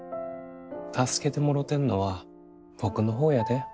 助けてもろてんのは僕の方やで。